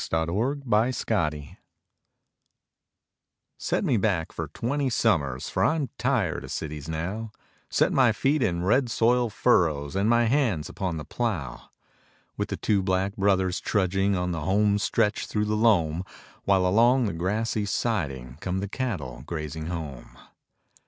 THE SHAKEDOWN ON THE FLOOR Set me back for twenty summers For I'm tired of cities now Set my feet in red soil furrows And my hands upon the plough, With the two 'Black Brothers' trudging On the home stretch through the loam While, along the grassy siding, Come the cattle grazing home.